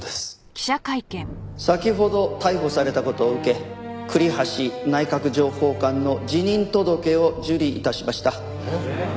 先ほど逮捕された事を受け栗橋内閣情報官の辞任届を受理致しました。